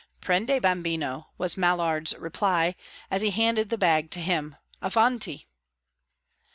"Prendi, bambino," was Mallard's reply, as he handed the bag to him. "Avanti!"